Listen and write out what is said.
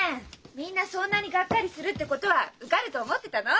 みんなそんなにガッカリするってことは受かると思ってたの？